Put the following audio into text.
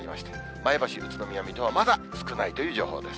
前橋、宇都宮、水戸はまだ少ないという情報です。